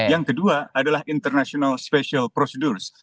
yang kedua adalah international special procedure